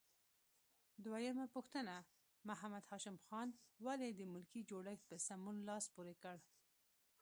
دویمه پوښتنه: محمد هاشم خان ولې د ملکي جوړښت په سمون لاس پورې کړ؟